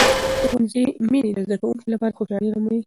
د ښوونځي مینې د زده کوونکو لپاره خوشحالي راملوي.